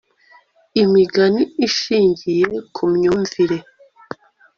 imigani ishingiye ku myumvire